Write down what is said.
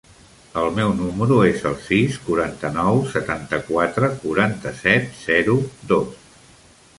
El meu número es el sis, quaranta-nou, setanta-quatre, quaranta-set, zero, dos.